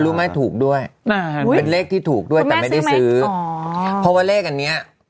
เธอรู้ไหมถูกด้วยเป็นเลขที่ถูกด้วยแต่ไม่ได้ซื้อ